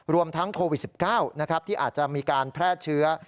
รวมทั้งโควิด๑๙ที่อาจจะมีการแพร่เชื้อ